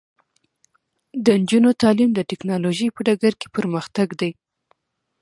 د نجونو تعلیم د ټیکنالوژۍ په ډګر کې پرمختګ دی.